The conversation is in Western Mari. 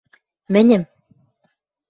– Мӹньӹм...